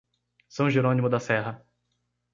São Jerônimo da Serra